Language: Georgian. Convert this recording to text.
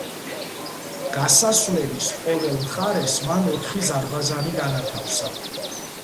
გასასვლელის ყოველ მხარეს მან ოთხი ზარბაზანი განათავსა.